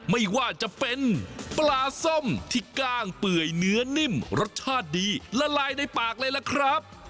ไม่ว่าจะเป็นปลาส้มที่กล้างเปื่อยเนื้อนิ่มรสชาติดีละลายในปากเลยล่ะครับ